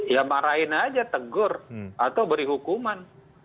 ya marahin aja tegur atau beri hukuman